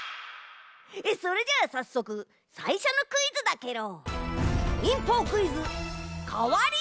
それではさっそくさいしょのクイズだケロ。